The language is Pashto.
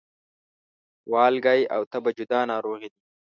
والګی او تبه جدا ناروغي دي